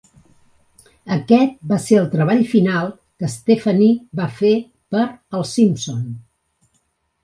Aquest va ser el treball final que Stefani va fer per "Els Simpson".